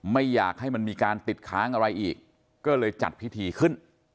ไม่อยากให้มันมีการติดค้างอะไรอีกก็เลยจัดพิธีขึ้น